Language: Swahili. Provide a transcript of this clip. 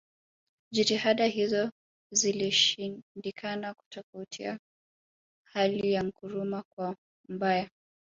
Jitihada hizo zilishindikana kufuatia hali ya Nkrumah Kuwa mbaya